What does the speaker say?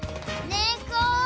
ねこ